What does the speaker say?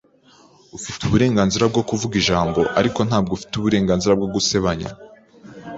Ufite uburenganzira bwo kuvuga ijambo, ariko ntabwo ufite uburenganzira bwo gusebanya.